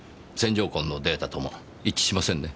旋状痕のデータとも一致しませんね。